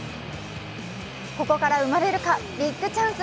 ここから生まれるかビッグチャンス。